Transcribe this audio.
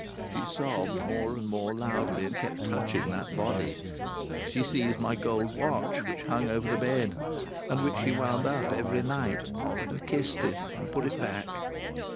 She sobbed, more and more loudly, and kept touching that body. She seized my gold watch, which hung over the bed, and which she wound up every night, and kissed it and put it back.